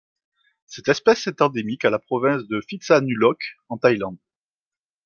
Cette espèce est endémique de la province de Phitsanulok en Thaïlande.